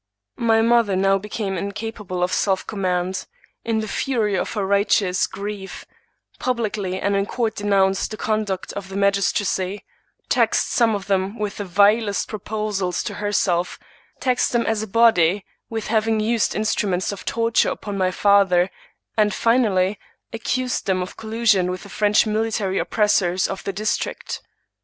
My mother, now become incapable of self com mand, in the fury of her righteous grief, publicly and in court denounced the conduct of the magistracy — ^taxed some of them with the vilest proposals to herself — ^taxed them as a body with having used instruments of torture upon my father; and, finally, accused them of collusion with the French military oppressors of the district.